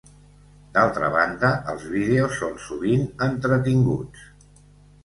D'altra banda, els vídeos són sovint entretinguts.